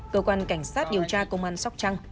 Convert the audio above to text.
cơ quan cảnh sát điều tra công an sóc trăng